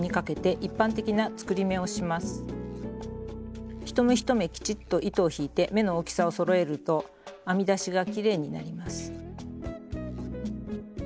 一目一目きちっと糸を引いて目の大きさをそろえると編みだしがきれいになります。